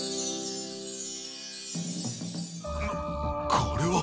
これは。